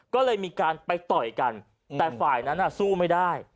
ก็เลยมีการไปต่อยกันแต่ฝ่ายนั้นสู้ไม่ได้